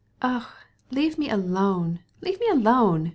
"Ah, let me alone, let me alone!"